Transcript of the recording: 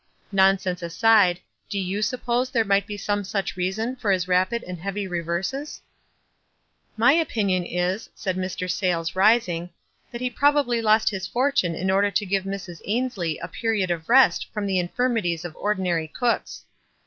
Nonsense aside, do you suppose there might be some such reason for his rapid and heavy reverses ?" "My opinion is," said Mr. Sayles, rising, " that he probably lost his fortune in order to WISE AflD OTHERWISE. 295 give Mrs. Ainslie a period of rest from the in firmities of ordinary cooks.